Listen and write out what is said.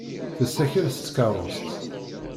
Tessakel s tkeṛṛust.